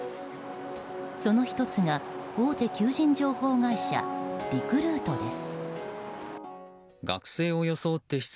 その１つが大手求人情報会社リクルートです。